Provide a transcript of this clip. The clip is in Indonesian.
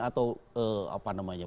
atau apa namanya